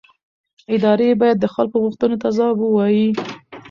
ادارې باید د خلکو غوښتنو ته ځواب ووایي